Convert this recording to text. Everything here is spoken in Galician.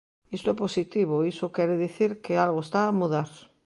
Isto é positivo, iso quere dicir que algo está a mudar.